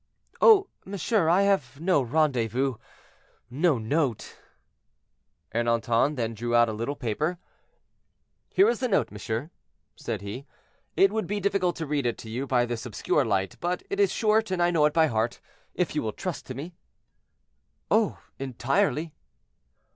"Oh! monsieur, I have no rendezvous—no note." Ernanton then drew out a little paper. "Here is the note, monsieur," said he; "it would be difficult to read it to you by this obscure light: but it is short, and I know it by heart, if you will trust to me." "Oh! entirely."